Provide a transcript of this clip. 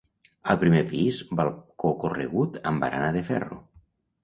Al primer pis, balcó corregut amb barana de ferro.